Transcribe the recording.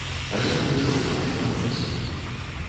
А я выйшаў з нашага офіса.